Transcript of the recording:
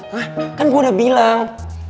hah kan gue udah bilang